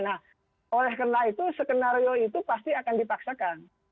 nah oleh karena itu skenario itu pasti akan dipaksakan